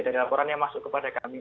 dari laporan yang masuk kepada kami